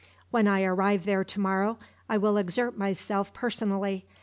When I arrive there tomorrow, I will exert myself personally.